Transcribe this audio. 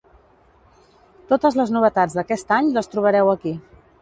Totes les novetats d'aquest any les trobareu aquí.